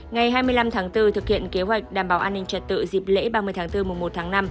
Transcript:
ngày hai mươi năm tháng bốn thực hiện kế hoạch đảm bảo an ninh trật tự dịp lễ ba mươi tháng bốn mùa một tháng năm